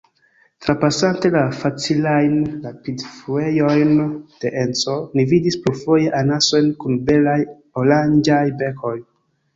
Trapasante la facilajn rapidfluejojn de Enco, ni vidis plurfoje anasojn kun belaj oranĝaj bekoj.